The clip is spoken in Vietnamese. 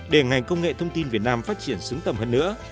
để ngành công nghệ thông tin việt nam phát triển xứng tầm hơn nữa